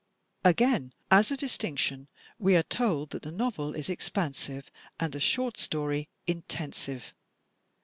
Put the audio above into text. Again, as a distinction, we are told that the novel is ex pansive and the short story intensive.